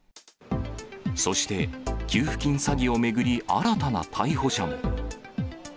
そして、給付金詐欺を巡り、新たな逮捕者も。